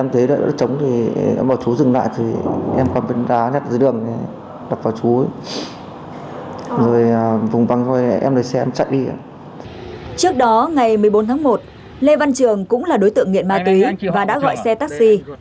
trước đó ngày một mươi bốn tháng một lê văn trường cũng là đối tượng nghiện ma túy và đã gọi xe taxi